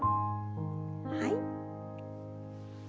はい。